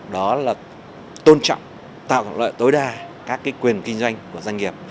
đó là tôn trọng tạo lợi tối đa các quyền kinh doanh của doanh nghiệp